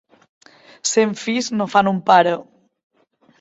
Cent fills no fan un pare.